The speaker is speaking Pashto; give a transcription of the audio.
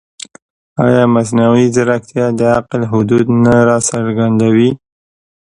ایا مصنوعي ځیرکتیا د عقل حدود نه راڅرګندوي؟